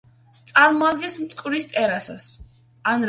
წარმოადგენს მტკვრის ტერასას.